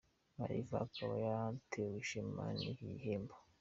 Maliva akaba yatewe ishema n’iki gihembo.